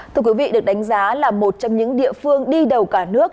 thưa quý vị được đánh giá là một trong những địa phương đi đầu cả nước